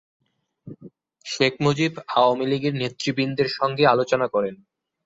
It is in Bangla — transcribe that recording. শেখ মুজিব আওয়ামী লীগের নেতৃবৃন্দের সঙ্গে আলোচনা করেন।